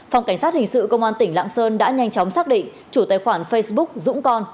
phòng cảnh sát hình sự công an tỉnh lạng sơn đã nhanh chóng xác định chủ tài khoản facebook dũng con